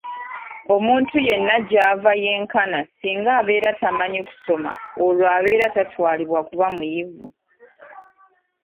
Omuntu yenna gy’ava yenkana singa abeera tamanyi kusoma olwo abeera tatwalibwa kuba muyivu.